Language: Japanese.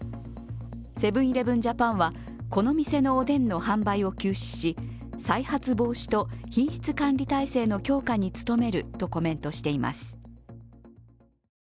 セブン−イレブン・ジャパンは、この店のおでんの販売を休止し、再発防止と品質管理体制の強化に努めるとコメントしています。